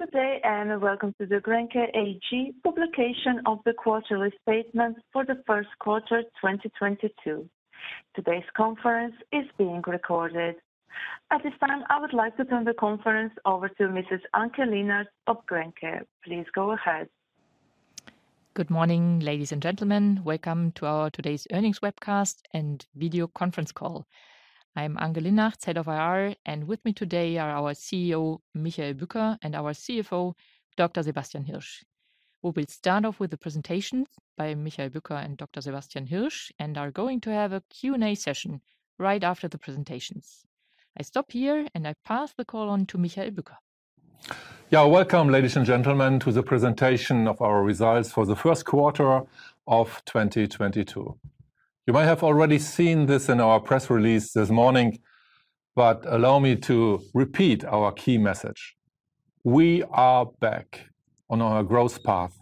Good day and welcome to the Grenke AG publication of the quarterly statements for the Q1 2022. Today's conference is being recorded. At this time, I would like to turn the conference over to Anke Linnartz of Grenke AG. Please go ahead. Good morning, ladies and gentlemen. Welcome to our today's earnings webcast and video conference call. I'm Anke Linnartz, Head of IR, and with me today are our CEO, Michael Bücker, and our CFO, Dr Sebastian Hirsch. We will start off with the presentations by Michael Bücker and Dr Sebastian Hirsch, and are going to have a Q&A session right after the presentations. I stop here and I pass the call on to Michael Bücker. Yeah. Welcome, ladies and gentlemen, to the presentation of our results for the Q1 of 2022. You might have already seen this in our press release this morning, but allow me to repeat our key message. We are back on our growth path.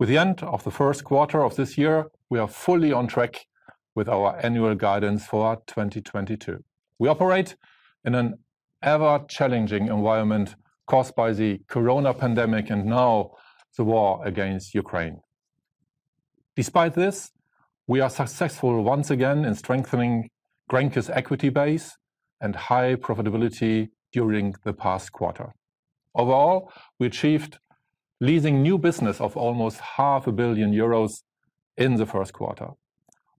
With the end of the Q1 of this year, we are fully on track with our annual guidance for 2022. We operate in an ever-challenging environment caused by the corona pandemic and now the war against Ukraine. Despite this, we are successful once again in strengthening Grenke's equity base and high profitability during the past quarter. Overall, we achieved leasing new business of almost half a billion EUR in the Q1.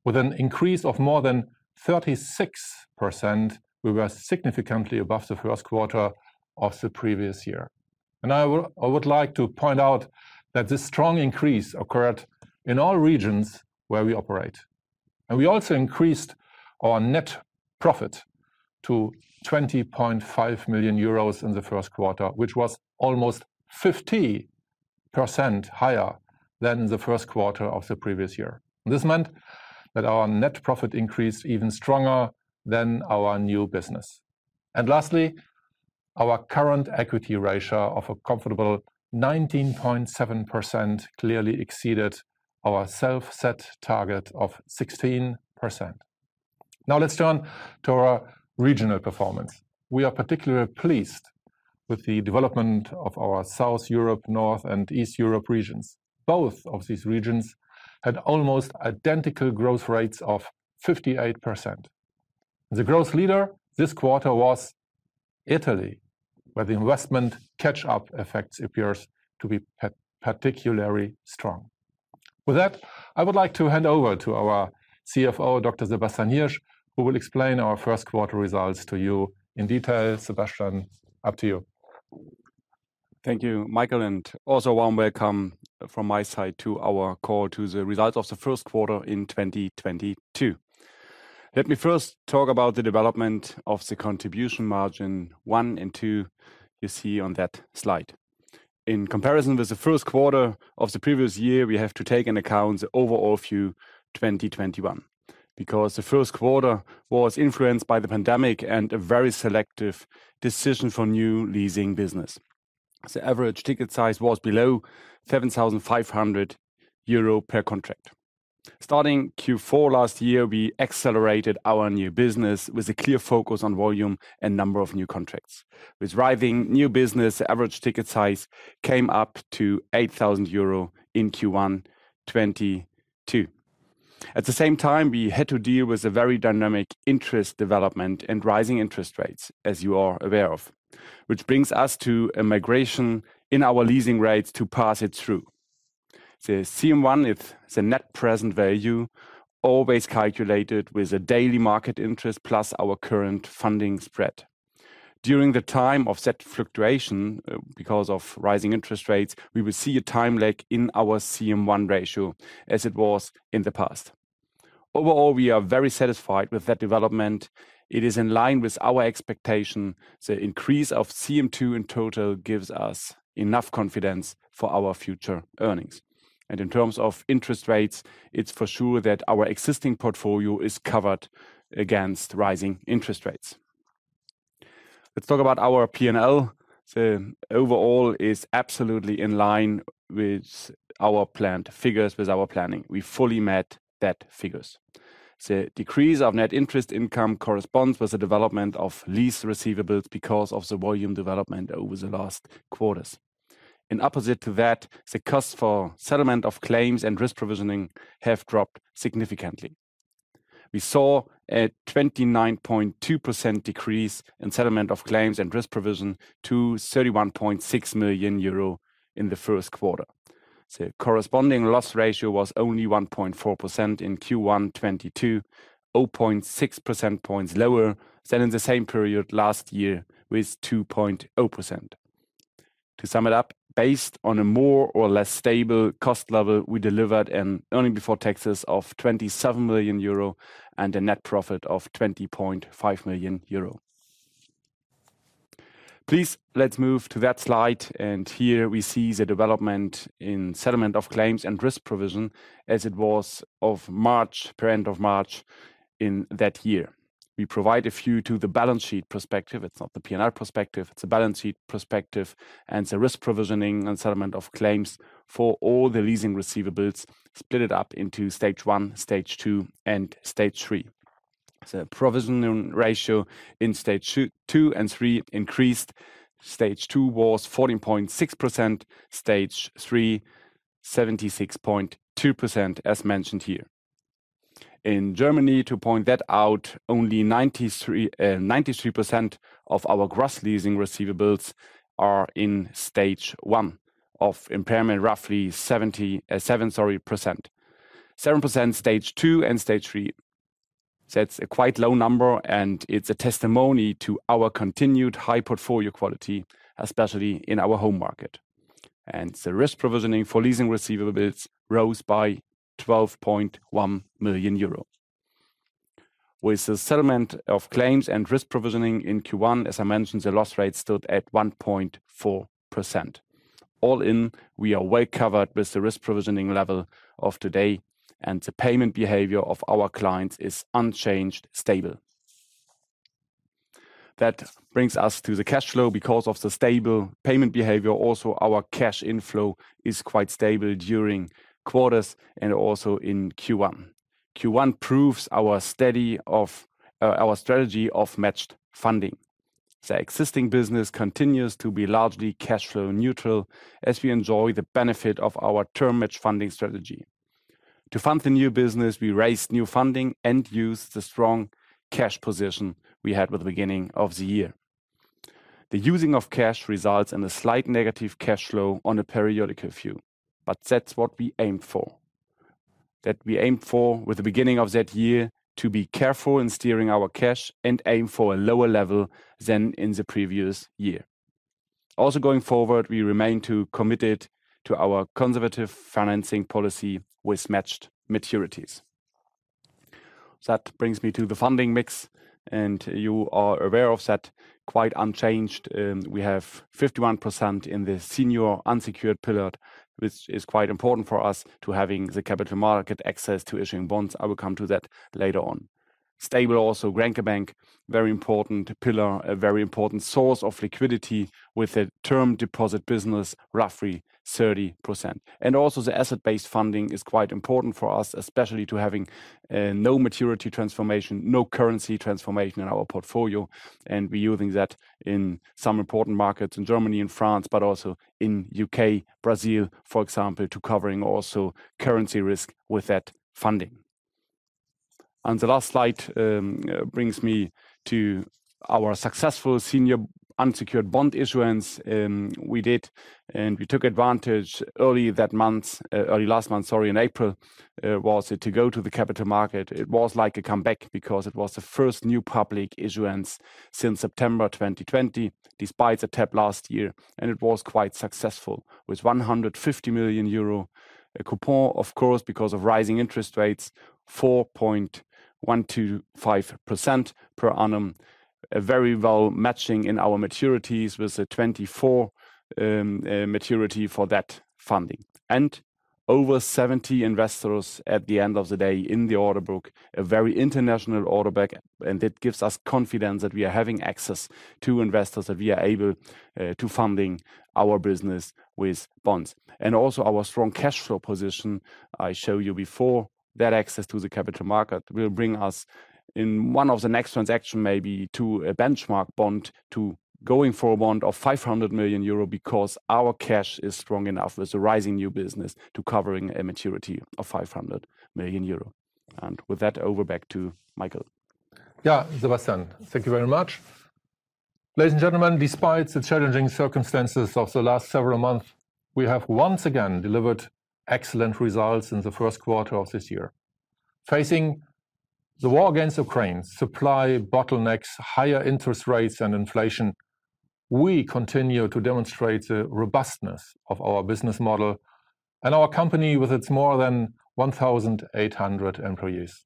With an increase of more than 36%, we were significantly above the Q1 of the previous year. I would like to point out that this strong increase occurred in all regions where we operate. We also increased our net profit to 20.5 million euros in the Q1, which was almost 50% higher than the Q1 of the previous year. This meant that our net profit increased even stronger than our new business. Lastly, our current equity ratio of a comfortable 19.7% clearly exceeded our self-set target of 16%. Now let's turn to our regional performance. We are particularly pleased with the development of our South Europe, North and East Europe regions. Both of these regions had almost identical growth rates of 58%. The growth leader this quarter was Italy, where the investment catch-up effect appears to be particularly strong. With that, I would like to hand over to our CFO, Dr. Sebastian Hirsch, who will explain our Q1 results to you in detail. Sebastian, over to you. Thank you, Michael, and also warm welcome from my side to our call to the results of the Q1 in 2022. Let me first talk about the development of the contribution margin one and two you see on that slide. In comparison with the Q1 of the previous year, we have to take into account the overall view 2021, because the Q1 was influenced by the pandemic and a very selective decision for new leasing business. The average ticket size was below 7,500 euro per contract. Starting Q4 last year, we accelerated our new business with a clear focus on volume and number of new contracts. With rising new business, the average ticket size came up to 8,000 euro in Q1 2022. At the same time, we had to deal with a very dynamic interest development and rising interest rates, as you are aware of, which brings us to a migration in our leasing rates to pass it through. The CM1 is the net present value always calculated with a daily market interest plus our current funding spread. During the time of said fluctuation, because of rising interest rates, we will see a time lag in our CM1 ratio as it was in the past. Overall, we are very satisfied with that development. It is in line with our expectation. The increase of CM2 in total gives us enough confidence for our future earnings. In terms of interest rates, it's for sure that our existing portfolio is covered against rising interest rates. Let's talk about our P&L. The overall is absolutely in line with our planned figures, with our planning. We fully met those figures. The decrease of net interest income corresponds with the development of lease receivables because of the volume development over the last quarters. In opposition to that, the costs for settlement of claims and risk provision have dropped significantly. We saw a 29.2% decrease in settlement of claims and risk provision to 31.6 million euro in the Q1. The corresponding loss ratio was only 1.4% in Q1 2022, 0.6 percentage points lower than in the same period last year with 2.0%. To sum it up, based on a more or less stable cost level, we delivered an earnings before taxes of 27 million euro and a net profit of 20.5 million euro. Please let's move to that slide, and here we see the development in settlement of claims and risk provision as of March, per end of March in that year. We provide a view to the balance sheet perspective. It's not the P&L perspective, it's the balance sheet perspective and the risk provisioning and settlement of claims for all the leasing receivables, split it up into Stage one, Stage two, and Stage three. Provision ratio in Stage two and three increased. Stage two was 14.6%. Stage 3 76.2%, as mentioned here. In Germany, to point that out, only 93% of our gross leasing receivables are in Stage one of impairment, roughly 7%. 7% Stage two and Stage three. It's a quite low number, and it's a testimony to our continued high portfolio quality, especially in our home market. The risk provisioning for leasing receivables rose by 12.1 million euro. With the settlement of claims and risk provisioning in Q1, as I mentioned, the loss rate stood at 1.4%. All in, we are well covered with the risk provisioning level of today, and the payment behavior of our clients is unchanged, stable. That brings us to the cash flow. Because of the stable payment behavior, also our cash inflow is quite stable during quarters and also in Q1. Q1 proves our strategy of matched funding. The existing business continues to be largely cash flow neutral as we enjoy the benefit of our term matched funding strategy. To fund the new business, we raised new funding and used the strong cash position we had with the beginning of the year. The using of cash results in a slight negative cash flow on a periodic view, but that's what we aim for. That we aim for with the beginning of that year to be careful in steering our cash and aim for a lower level than in the previous year. Also going forward, we remain committed to our conservative financing policy with matched maturities. That brings me to the funding mix, and you are aware of that, quite unchanged. We have 51% in the senior unsecured pillar, which is quite important for us to have the capital market access to issuing bonds. I will come to that later on. Stable also Grenke Bank, very important pillar, a very important source of liquidity with the term deposit business, roughly 30%. The asset-based funding is quite important for us, especially to have no maturity transformation, no currency transformation in our portfolio. We're using that in some important markets in Germany and France, but also in U.K., Brazil, for example, to cover also currency risk with that funding. The last slide brings me to our successful senior unsecured bond issuance. We took advantage early last month, sorry, in April, to go to the capital market. It was like a comeback because it was the first new public issuance since September 2020, despite the tap last year. It was quite successful with 150 million euro coupon, of course, because of rising interest rates, 4.125% per annum. Very well matching in our maturities with the 2024 maturity for that funding. Over 70 investors at the end of the day in the order book, a very international order book, and it gives us confidence that we have access to investors, that we are able to fund our business with bonds. Also our strong cash flow position I showed you before, that access to the capital market will bring us in one of the next transactions maybe to a benchmark bond of going for a bond of 500 million euro because our cash is strong enough with the rising new business to cover a maturity of 500 million euro. With that, over back to Michael. Yeah, Sebastian, thank you very much. Ladies and gentlemen, despite the challenging circumstances of the last several months, we have once again delivered excellent results in the Q1 of this year. Facing the war against Ukraine, supply bottlenecks, higher interest rates and inflation, we continue to demonstrate the robustness of our business model and our company with its more than 1,800 employees.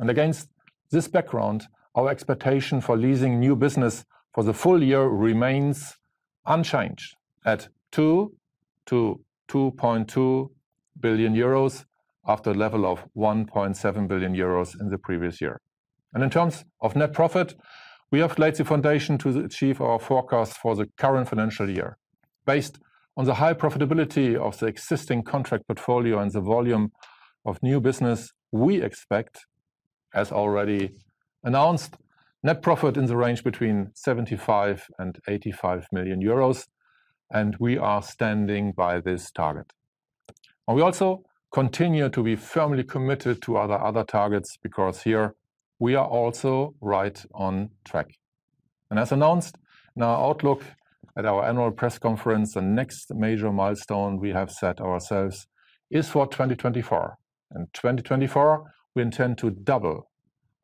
Against this background, our expectation for leasing new business for the full year remains unchanged at 2 billion-2.2 billion euros after a level of 1.7 billion euros in the previous year. In terms of net profit, we have laid the foundation to achieve our forecast for the current financial year. Based on the high profitability of the existing contract portfolio and the volume of new business, we expect, as already announced, net profit in the range between 75 million and 85 million euros, and we are standing by this target. We also continue to be firmly committed to our other targets because here we are also right on track. As announced in our outlook at our annual press conference, the next major milestone we have set ourselves is for 2024. In 2024, we intend to double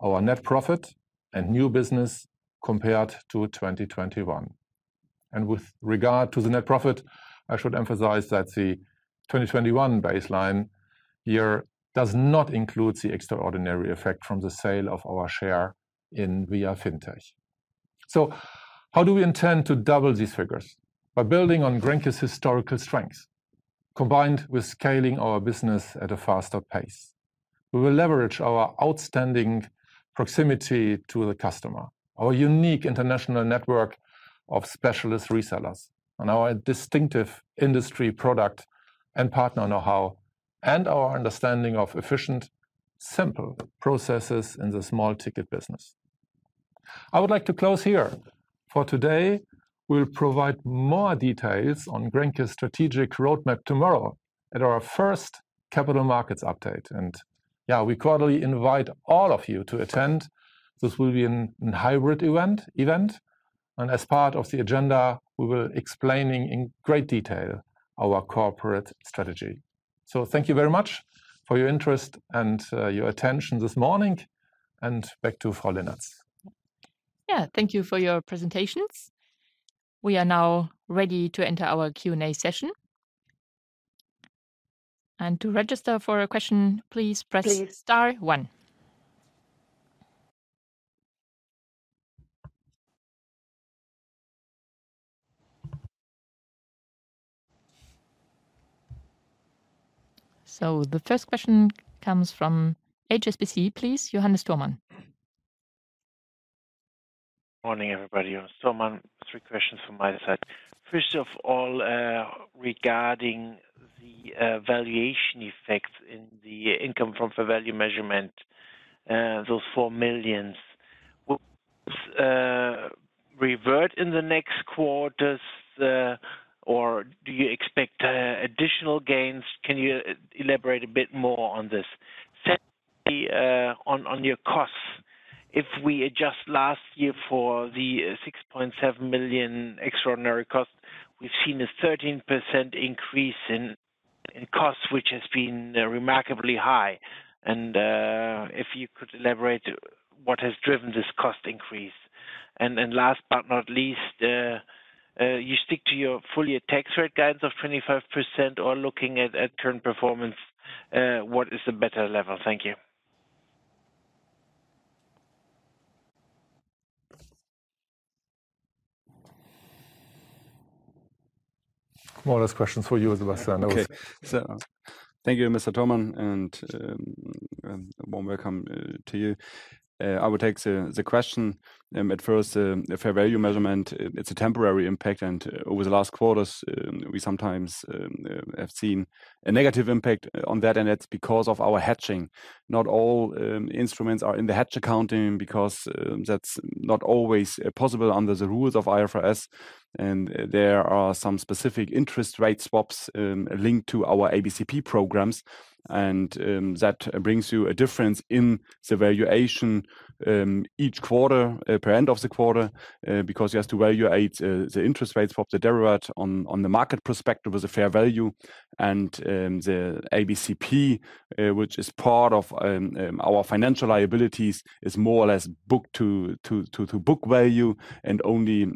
our net profit and new business compared to 2021. With regard to the net profit, I should emphasize that the 2021 baseline year does not include the extraordinary effect from the sale of our share in Viafintech. How do we intend to double these figures? By building on Grenke's historical strengths, combined with scaling our business at a faster pace. We will leverage our outstanding proximity to the customer, our unique international network of specialist resellers and our distinctive industry product and partner know-how, and our understanding of efficient, simple processes in the small-ticket business. I would like to close here for today. We'll provide more details on Grenke's strategic roadmap tomorrow at our first capital markets update. Yeah, we cordially invite all of you to attend. This will be a hybrid event, and as part of the agenda, we will explain in great detail our corporate strategy. Thank you very much for your interest and your attention this morning, and back to Anke Linnartz. Yeah. Thank you for your presentations. We are now ready to enter our Q&A session. To register for a question, please press star one. The first question comes from HSBC, please, Johannes Thormann. Morning, everybody. Johannes Thormann. Three questions from my side. First of all, regarding the valuation effect in the income from fair value measurement, those EUR 4 million. Will this revert in the next quarters, or do you expect additional gains? Can you elaborate a bit more on this? Secondly, on your costs. If we adjust last year for the 6.7 million extraordinary cost, we've seen a 13% increase in costs, which has been remarkably high. If you could elaborate what has driven this cost increase. Last but not least, you stick to your full-year tax rate guidance of 25% or looking at current performance, what is the better level? Thank you. More or less questions for you, Sebastian. Okay. Thank you, Mr. Thormann, and warm welcome to you. I will take the question at first. The fair value measurement, it's a temporary impact, and over the last quarters, we sometimes have seen a negative impact on that, and that's because of our hedging. Not all instruments are in the hedge accounting because that's not always possible under the rules of IFRS. There are some specific interest rate swaps linked to our ABCP programs. That brings you a difference in the valuation each quarter, at the end of the quarter, because you have to evaluate the interest rates for the derivative on the market perspective as a fair value. The ABCP, which is part of our financial liabilities, is more or less booked to book value. Only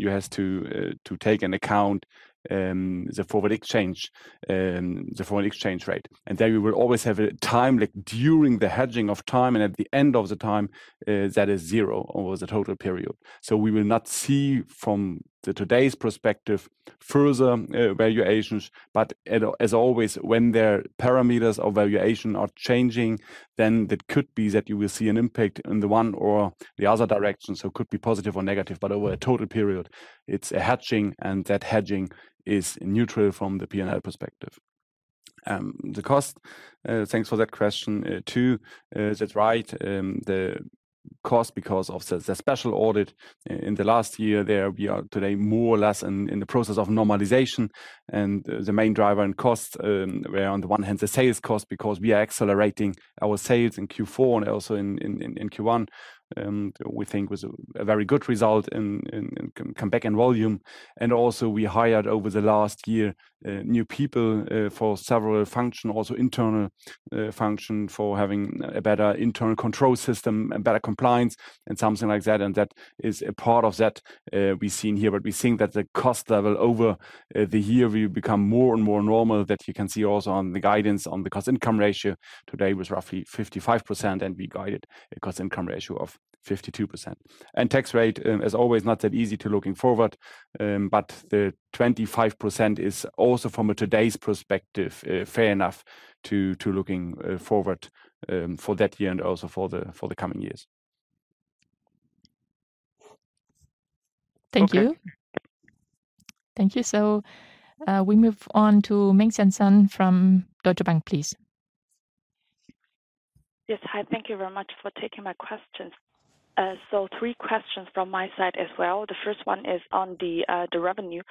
you has to take into account the forward exchange rate. There we will always have a time, like during the hedging of time and at the end of the time, that is zero over the total period. We will not see from today's perspective further valuations, but as always, when the parameters of valuation are changing, then that could be that you will see an impact in the one or the other direction. It could be positive or negative, but over a total period, it's a hedging, and that hedging is neutral from the P&L perspective. The cost, thanks for that question, too. That's right, the cost because of the special audit in the last year there, we are today more or less in the process of normalization. The main driver in cost were on the one hand, the sales cost because we are accelerating our sales in Q4 and also in Q1. We think was a very good result in comeback in volume. Also we hired over the last year new people for several function, also internal function for having a better internal control system and better compliance and something like that. That is a part of that we've seen here. We think that the cost level over the year will become more and more normal, that you can see also on the guidance on the cost-income ratio today was roughly 55%, and we guided a cost-income ratio of 52%. Tax rate is always not that easy to look forward, but the 25% is also from today's perspective fair enough to look forward for that year and also for the coming years. Thank you. Okay. Thank you. We move on to Mengxian Sun from Deutsche Bank, please. Yes. Hi. Thank you very much for taking my questions. Three questions from my side as well. The first one is on the revenue.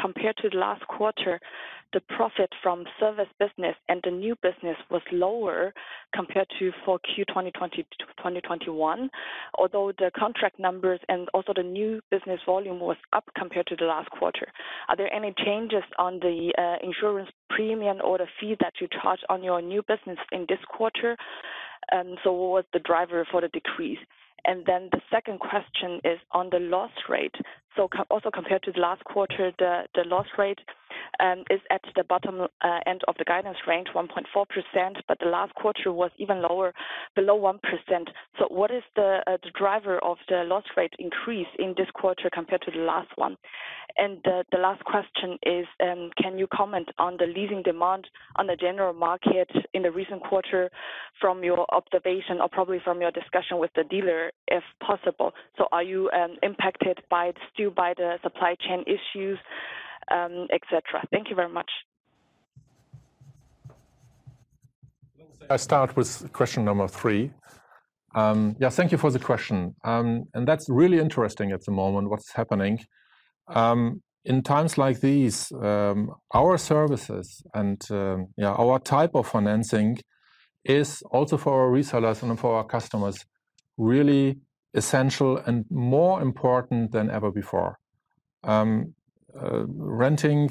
Compared to the last quarter, the profit from service business and the new business was lower compared to for Q 2020 to 2021. Although the contract numbers and also the new business volume was up compared to the last quarter. Are there any changes on the insurance premium or the fee that you charge on your new business in this quarter? What was the driver for the decrease? The second question is on the loss rate. Also compared to the last quarter, the loss rate is at the bottom end of the guidance range, 1.4%, but the last quarter was even lower, below 1%. What is the driver of the loss rate increase in this quarter compared to the last one? The last question is, can you comment on the leasing demand on the general market in the recent quarter from your observation or probably from your discussion with the dealer, if possible? Are you impacted still by the supply chain issues, et cetera? Thank you very much. I start with question number three. Yeah, thank you for the question. That's really interesting at the moment what's happening. In times like these, our services and our type of financing is also for our resellers and for our customers, really essential and more important than ever before. Renting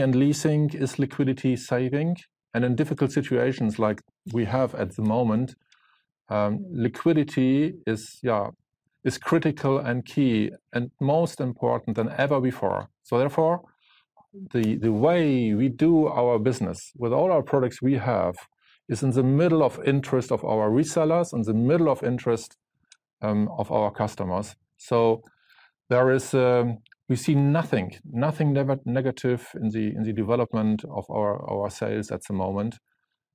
and leasing is liquidity saving. In difficult situations like we have at the moment, liquidity is critical and key, and most important than ever before. Therefore, the way we do our business with all our products we have is in the middle of interest of our resellers and of our customers. There is. We see nothing negative in the development of our sales at the moment.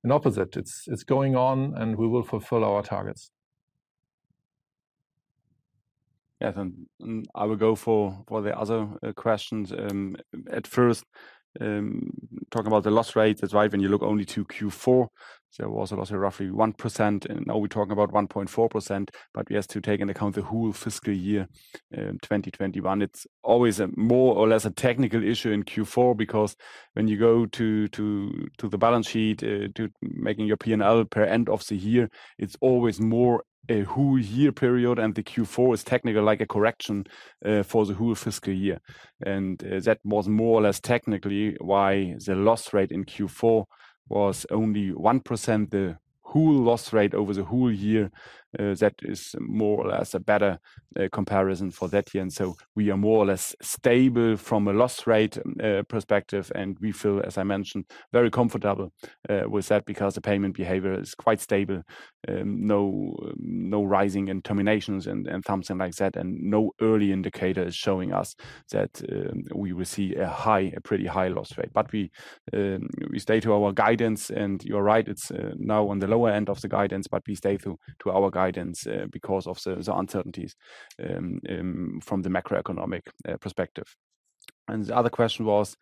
Opposite, it's going on, and we will fulfill our targets. Yes. I will go for the other questions. At first, talking about the loss rate. That's right. When you look only to Q4, there was a loss of roughly 1%, and now we're talking about 1.4%, but we have to take into account the whole fiscal year, 2021. It's always more or less a technical issue in Q4, because when you go to the balance sheet, to making your P&L per end of the year, it's always more a whole year period, and the Q4 is technical like a correction for the whole fiscal year. That was more or less technically why the loss rate in Q4 was only 1%. The whole loss rate over the whole year, that is more or less a better comparison for that year. We are more or less stable from a loss rate perspective, and we feel, as I mentioned, very comfortable with that because the payment behavior is quite stable. No rising in terminations and something like that, and no early indicators showing us that we will see a pretty high loss rate. We stay to our guidance. You're right, it's now on the lower end of the guidance, but we stay to our guidance because of the uncertainties from the macroeconomic perspective. The other question was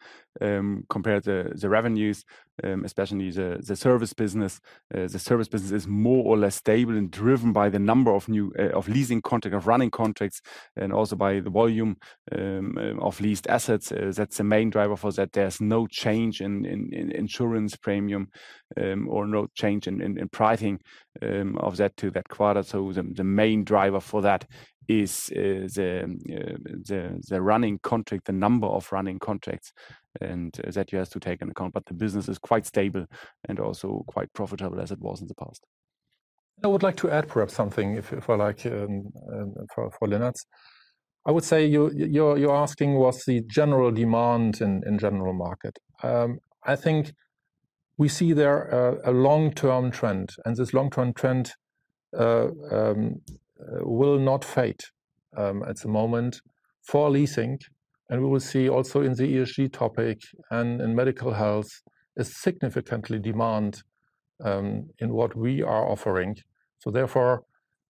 compared to the revenues, especially the service business. The service business is more or less stable and driven by the number of new leasing contracts, running contracts, and also by the volume of leased assets. That's the main driver for that. There's no change in insurance premium or no change in pricing of that to that quarter. The main driver for that is the running contract, the number of running contracts, and that you have to take into account. The business is quite stable and also quite profitable as it was in the past. I would like to add perhaps something if I like for Lennart. I would say you're asking what's the general demand in general market. I think we see there a long-term trend, and this long-term trend will not fade at the moment for leasing. We will see also in the ESG topic and in medical health a significant demand in what we are offering. Therefore,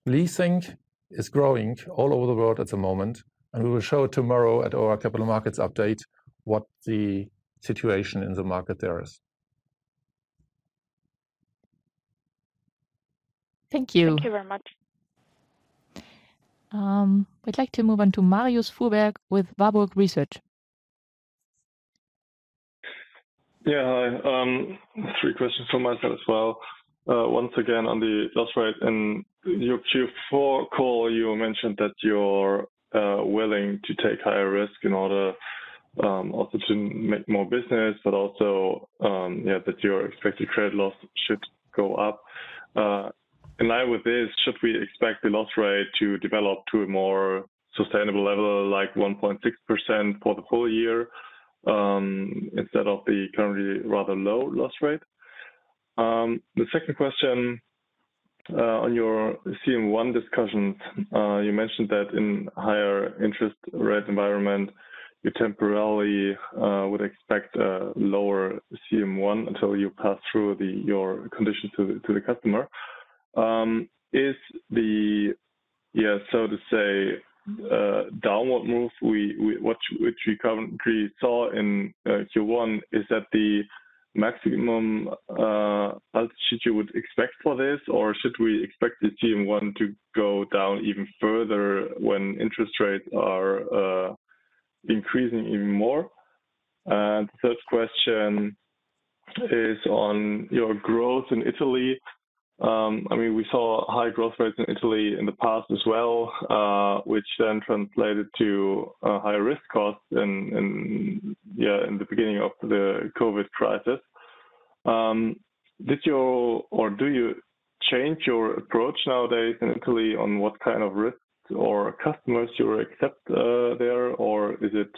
leasing is growing all over the world at the moment, and we will show tomorrow at our capital markets update what the situation in the market there is. Thank you. Thank you very much. We'd like to move on to Marius Fuhrberg with Warburg Research. Yeah. Hi. Three questions from myself as well. Once again, on the loss rate. In your Q4 call, you mentioned that you're willing to take higher risk in order also to make more business, but also yeah, that your expected credit loss should go up. In line with this, should we expect the loss rate to develop to a more sustainable level, like 1.6% for the full year, instead of the currently rather low loss rate? The second question, on your CM1 discussion. You mentioned that in higher interest rate environment, you temporarily would expect a lower CM1 until you pass through your condition to the customer. Is the yeah so to say downward move which we currently saw in Q1 the maximum amplitude you would expect for this, or should we expect the CM1 to go down even further when interest rates are increasing even more? Third question is on your growth in Italy. I mean, we saw high growth rates in Italy in the past as well, which then translated to higher risk costs in the beginning of the COVID crisis. Did you or do you change your approach nowadays in Italy on what kind of risks or customers you accept there or is it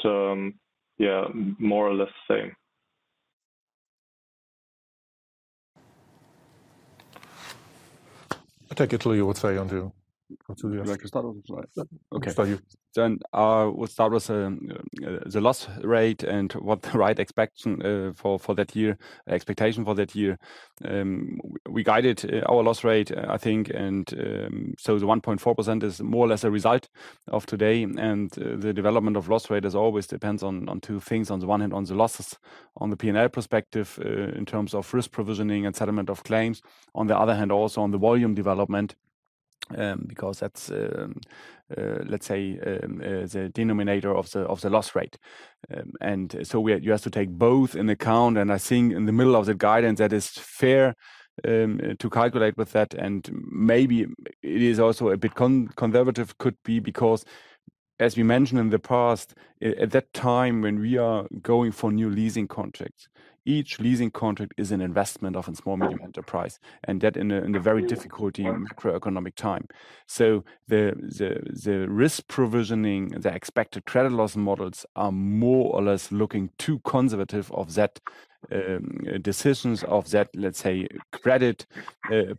more or less the same? I take it you would say, Andreas. Would you like to start or shall I start? Okay. I will start with the loss rate and what the right expectation for that year. We guided our loss rate, I think, and the 1.4% is more or less a result of today. The development of loss rate is always depends on two things. On the one hand, on the losses on the P&L perspective in terms of risk provisioning and settlement of claims. On the other hand, also on the volume development because that's let's say the denominator of the loss rate. You have to take both in account, and I think in the middle of the guidance that is fair to calculate with that. Maybe it is also a bit conservative could be because as we mentioned in the past, at that time when we are going for new leasing contracts, each leasing contract is an investment of a small medium enterprise, and that in a very difficult economic time. The risk provisioning, the expected credit loss models are more or less looking too conservative of that, decisions of that, let's say, credit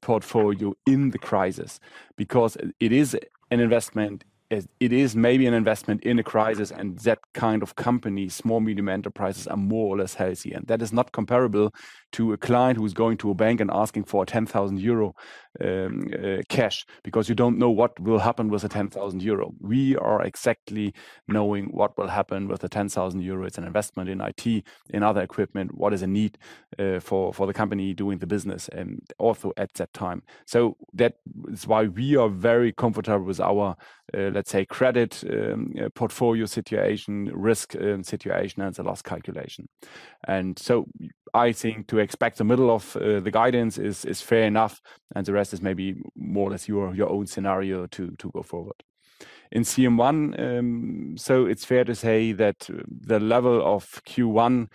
portfolio in the crisis. Because it is an investment. It is maybe an investment in a crisis, and that kind of company, small medium enterprises, are more or less healthy. That is not comparable to a client who's going to a bank and asking for a 10,000 euro cash because you don't know what will happen with the 10,000 euro. We are exactly knowing what will happen with the 10,000 euro and investment in IT, in other equipment, what is a need, for the company doing the business, and also at that time. That is why we are very comfortable with our, let's say, credit portfolio situation, risk situation, and the loss calculation. I think to expect the middle of the guidance is fair enough, and the rest is maybe more or less your own scenario to go forward. In CM1, it's fair to say that the level of Q1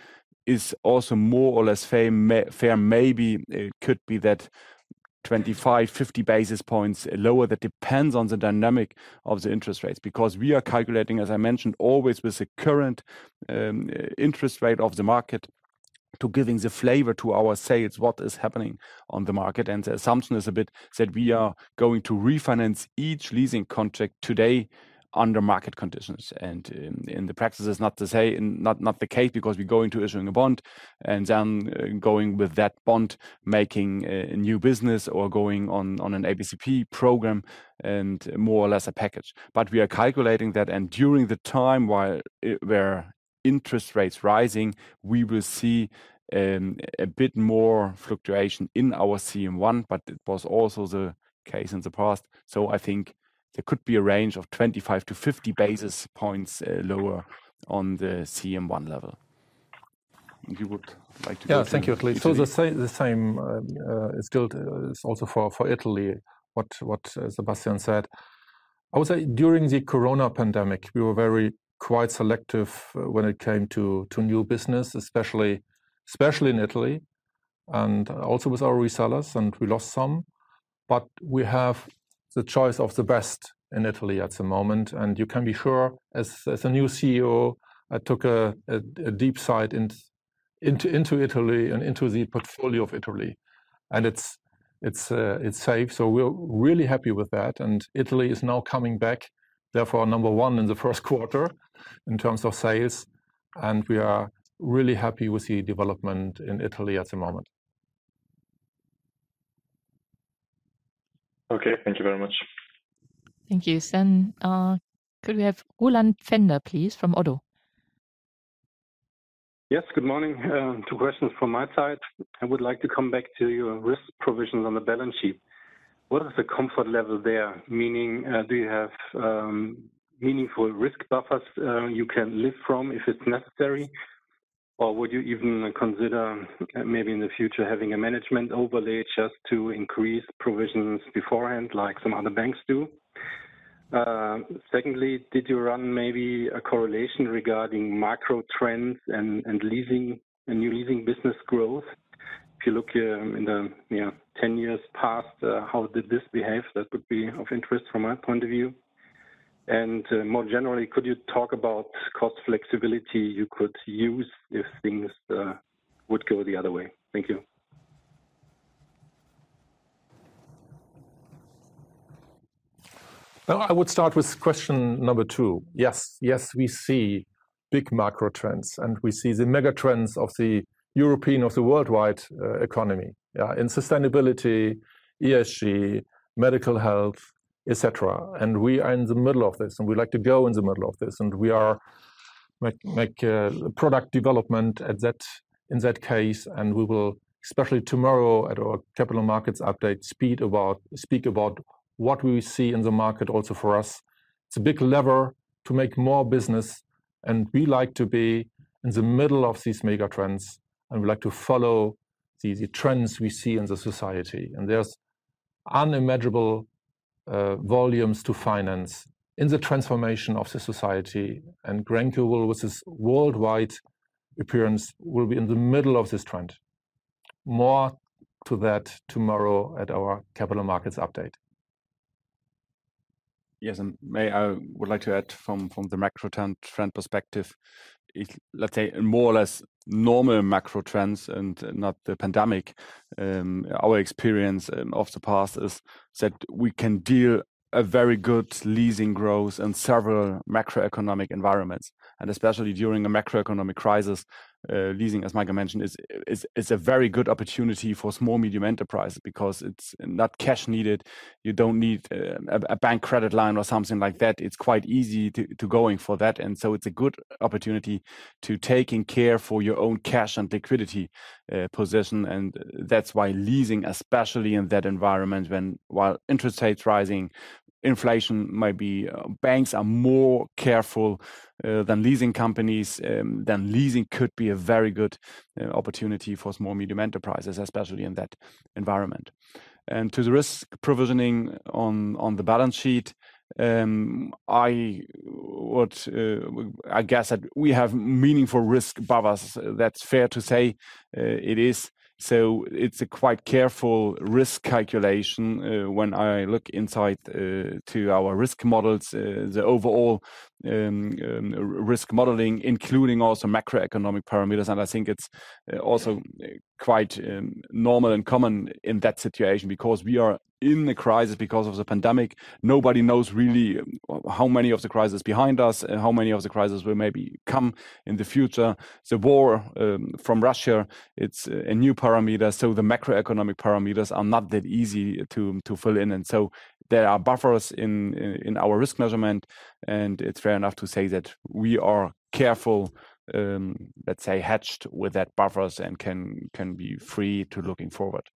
is also more or less fair maybe. It could be that 25-50 basis points lower. That depends on the dynamic of the interest rates, because we are calculating, as I mentioned, always with the current interest rate of the market to giving the flavor to our sales, what is happening on the market. The assumption is a bit that we are going to refinance each leasing contract today under market conditions. In practice it's not the case because we go into issuing a bond and then going with that bond, making a new business or going on an ABCP program and more or less a package. We are calculating that, and during the time while where interest rates rising, we will see a bit more fluctuation in our CM1, but it was also the case in the past. I think there could be a range of 25-50 basis points lower on the CM1 level. You would like to go- Yeah. Thank you, Sebastian. The same is also for Italy what Sebastian said. I would say during the corona pandemic, we were very selective when it came to new business, especially in Italy and also with our resellers, and we lost some. We have the choice of the best in Italy at the moment, and you can be sure, as a new CEO, I took a deep dive into Italy and into the portfolio of Italy. It's safe, so we're really happy with that. Italy is now coming back, therefore number one in the Q1 in terms of sales, and we are really happy with the development in Italy at the moment. Okay. Thank you very much. Thank you. Could we have Roland Pfänder, please, from Oddo? Yes. Good morning. Two questions from my side. I would like to come back to your risk provisions on the balance sheet. What is the comfort level there? Meaning, do you have meaningful risk buffers you can live from if it's necessary? Or would you even consider maybe in the future having a management overlay just to increase provisions beforehand like some other banks do? Secondly, did you run maybe a correlation regarding macro trends and leasing and new leasing business growth? If you look in the you know, 10 years past, how did this behave? That would be of interest from my point of view. More generally, could you talk about cost flexibility you could use if things would go the other way? Thank you. Well, I would start with question number two. Yes. Yes, we see big macro trends, and we see the mega trends of the European, of the worldwide, economy. Yeah. In sustainability, ESG, medical health, et cetera. We are in the middle of this, and we like to go in the middle of this. We make product development in that case, and we will, especially tomorrow at our capital markets update, speak about what we see in the market also for us. It's a big lever to make more business, and we like to be in the middle of these mega trends, and we like to follow the trends we see in the society. There's unimaginable volumes to finance in the transformation of the society. Grenke will, with its worldwide appearance, be in the middle of this trend. More to that tomorrow at our capital markets update. Yes. Would like to add from the macro trend perspective. If, let's say, more or less normal macro trends and not the pandemic, our experience of the past is that we can deliver a very good leasing growth in several macroeconomic environments. Especially during a macroeconomic crisis, leasing, as Michael mentioned, is a very good opportunity for small, medium enterprise because it's not cash needed. You don't need a bank credit line or something like that. It's quite easy to going for that. It's a good opportunity to taking care for your own cash and liquidity position. That's why leasing, especially in that environment while interest rates rising, inflation might be, banks are more careful than leasing companies, then leasing could be a very good opportunity for small, medium enterprises, especially in that environment. To the risk provisioning on the balance sheet, I guess that we have meaningful risk above us. That's fair to say. It is. It's a quite careful risk calculation. When I look into our risk models, the overall risk modeling, including also macroeconomic parameters. I think it's also quite normal and common in that situation because we are in the crisis because of the pandemic. Nobody knows really how much of the crisis behind us and how much of the crisis will maybe come in the future. The war from Russia, it's a new parameter, so the macroeconomic parameters are not that easy to fill in. There are buffers in our risk measurement, and it's fair enough to say that we are careful, let's say, hedged with that buffers and can be free to looking forward.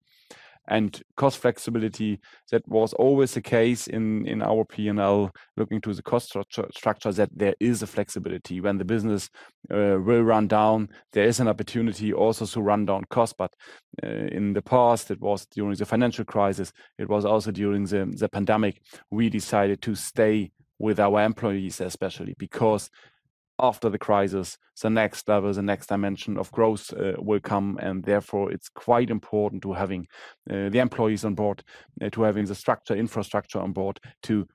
Cost flexibility, that was always the case in our P&L, looking to the cost structure, that there is a flexibility. When the business will run down, there is an opportunity also to run down cost. In the past, it was during the financial crisis, it was also during the pandemic, we decided to stay with our employees, especially because after the crisis, the next level, the next dimension of growth, will come, and therefore it's quite important to having the employees on board, to having the structure, infrastructure on board to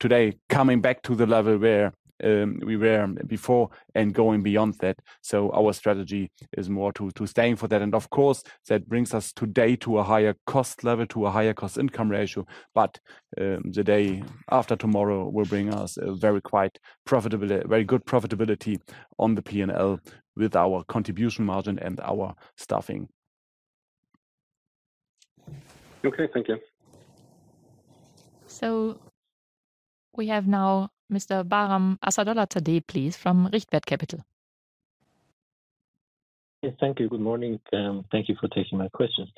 today coming back to the level where we were before and going beyond that. Our strategy is more to staying for that. Of course, that brings us today to a higher cost level, to a higher cost-income ratio. The day after tomorrow will bring us very good profitability on the P&L with our contribution margin and our staffing. Okay. Thank you. We have now Mr. Bahram Assadollahzadeh, please, from Richtwert Capital. Yes. Thank you. Good morning. Thank you for taking my questions.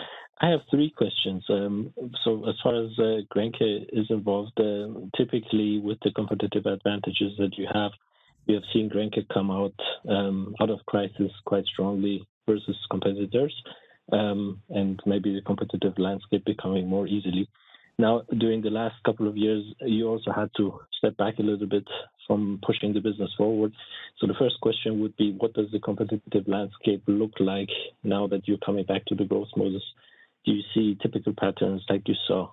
I have three questions. As far as Grenke is involved, typically with the competitive advantages that you have, we have seen Grenke come out of crises quite strongly versus competitors, and maybe the competitive landscape becoming more easy. Now, during the last couple of years, you also had to step back a little bit from pushing the business forward. The first question would be. What does the competitive landscape look like now that you're coming back to the growth models? Do you see typical patterns like you saw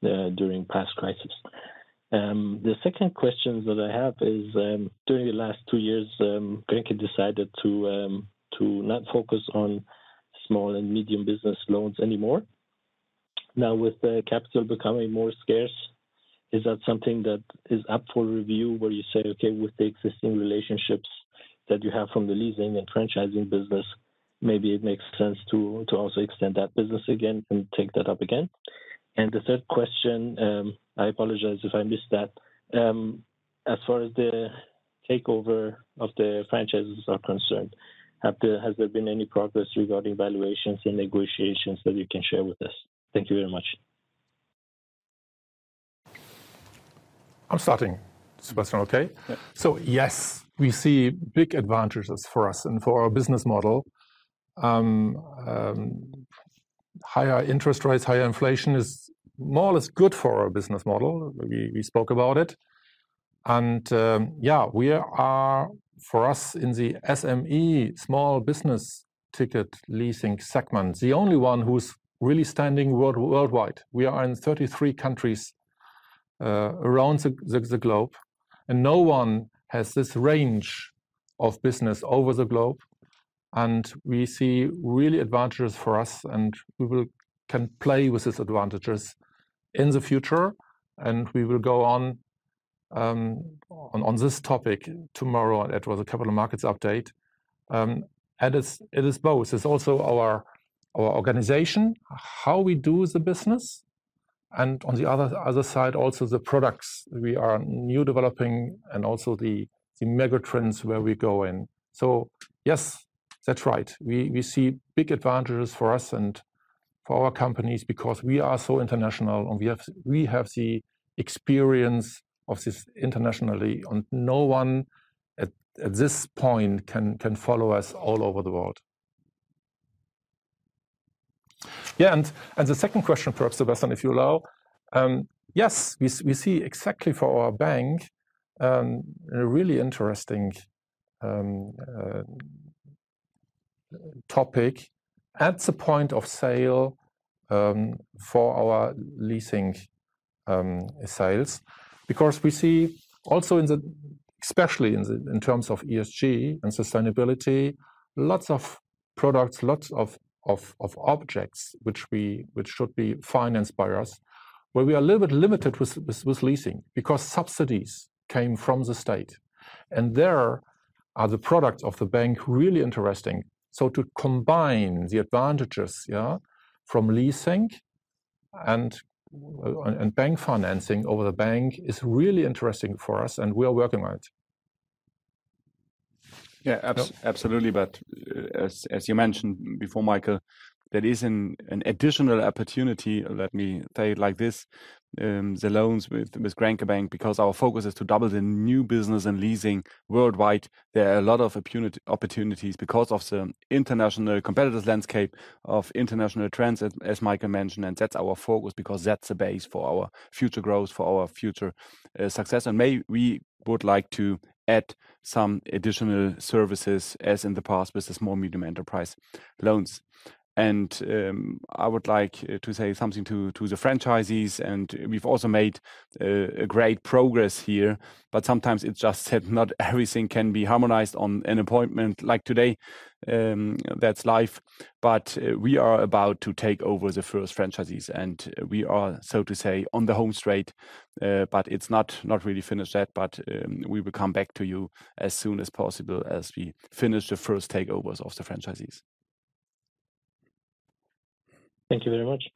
during past crises? The second question that I have is, during the last two years, Grenke decided to not focus on small and medium business loans anymore. Now, with the capital becoming more scarce, is that something that is up for review where you say, "Okay, with the existing relationships that you have from the leasing and franchising business, maybe it makes sense to also extend that business again and take that up again"? The third question, I apologize if I missed that. As far as the takeover of the franchises are concerned, has there been any progress regarding valuations and negotiations that you can share with us? Thank you very much. I'm starting, Sebastian, okay? Yeah. Yes, we see big advantages for us and for our business model. Higher interest rates, higher inflation is more or less good for our business model. We spoke about it. Yeah, we are for us in the SME small-ticket leasing segment, the only one who's really standing worldwide. We are in 33 countries around the globe, and no one has this range of business over the globe. We see really advantages for us, and we can play with these advantages in the future, and we will go on on this topic tomorrow with the capital markets update. It is both. It's also our organization, how we do the business, and on the other side, also the products we are newly developing and also the mega trends where we go in. Yes, that's right. We see big advantages for us and for our companies because we are so international and we have the experience of this internationally and no one at this point can follow us all over the world. Yeah. The second question, perhaps, Sebastian, if you allow. Yes. We see exactly for our bank a really interesting topic at the point of sale for our leasing sales. Because we see also especially in terms of ESG and sustainability lots of products lots of objects which should be financed by us where we are a little bit limited with leasing because subsidies came from the state. There are the products of the bank really interesting. To combine the advantages yeah from leasing and bank financing over the bank is really interesting for us and we are working on it. Yeah. Absolutely. As you mentioned before, Michael, there is an additional opportunity, let me tell you like this, the loans with Grenke Bank. Our focus is to double the new business and leasing worldwide, there are a lot of opportunities because of the international competitive landscape of international trends, as Michael mentioned, and that's our focus because that's the base for our future growth, for our future success. We would like to add some additional services, as in the past with the small medium enterprise loans. I would like to say something to the franchisees, and we've also made great progress here, but sometimes it just said not everything can be harmonized on an appointment like today. That's life. We are about to take over the first franchisees, and we are, so to say, on the home straight, but it's not really finished yet. We will come back to you as soon as possible as we finish the first takeovers of the franchisees. Thank you very much.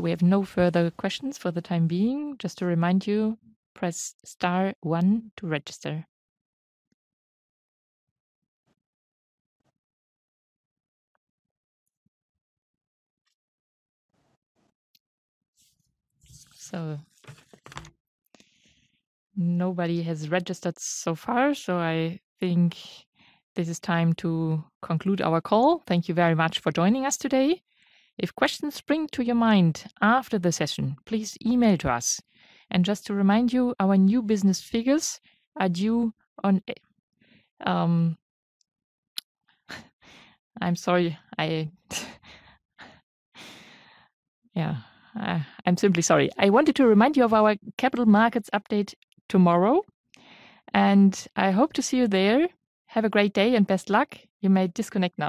We have no further questions for the time being. Just to remind you, press star one to register. Nobody has registered so far, so I think this is time to conclude our call. Thank you very much for joining us today. If questions spring to your mind after the session, please email to us. Just to remind you, our new business figures are due on. I'm sorry. I wanted to remind you of our capital markets update tomorrow, and I hope to see you there. Have a great day and best luck. You may disconnect now.